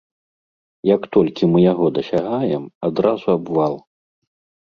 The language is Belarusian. Як толькі мы яго дасягаем, адразу абвал.